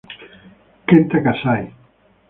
Kenta Kasai